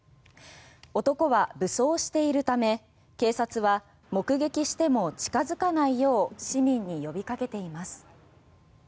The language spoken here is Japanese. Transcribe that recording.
男は武装しているため警察は目撃しても近づかないよう市民に呼びかけています。